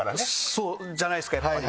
そうじゃないですかやっぱり。